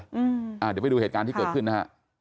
เดี๋ยวไปดูเหตุการณ์ที่เกิดขึ้นนะฮะ